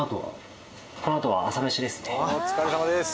お疲れさまです。